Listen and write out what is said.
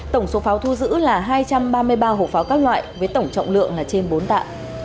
tổng số pháo thu giữ là hai trăm ba mươi ba hộp pháo các loại với tổng trọng lượng là trên bốn tạ